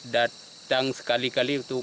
datang sekali kali untuk